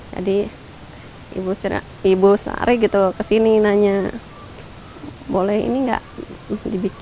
jadi ibu sari ke sini nanya boleh ini tidak dibuat